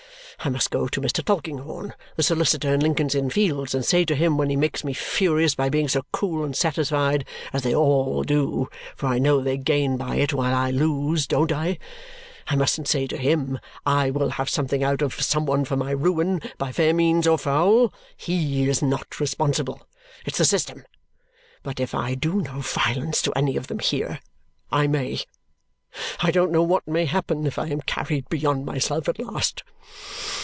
I mustn't go to Mr. Tulkinghorn, the solicitor in Lincoln's Inn Fields, and say to him when he makes me furious by being so cool and satisfied as they all do, for I know they gain by it while I lose, don't I? I mustn't say to him, 'I will have something out of some one for my ruin, by fair means or foul!' HE is not responsible. It's the system. But, if I do no violence to any of them, here I may! I don't know what may happen if I am carried beyond myself at last!